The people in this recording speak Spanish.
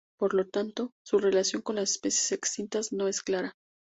Por lo tanto, su relación con las especies extintas no es clara.